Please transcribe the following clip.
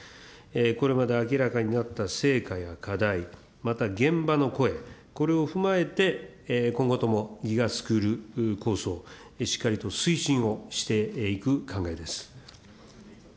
これまで明らかになった成果や課題、また現場の声、これを踏まえて、今後ともＧＩＧＡスクール構想、しっかりと推進をしていく考えです。